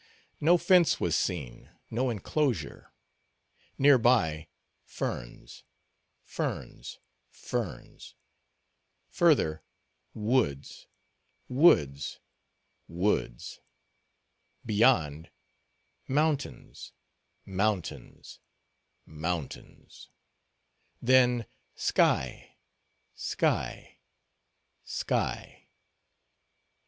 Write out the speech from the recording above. No fence was seen, no inclosure. Near by—ferns, ferns, ferns; further—woods, woods, woods; beyond—mountains, mountains, mountains; then—sky, sky, sky.